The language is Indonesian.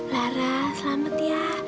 lara selamat ya